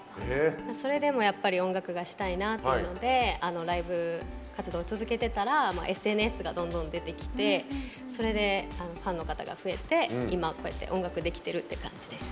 それでも音楽がしたいなっていうのでライブ活動を続けてたらＳＮＳがどんどん出てきてそれで、ファンの方が増えて今、こうやって音楽できてるって感じです。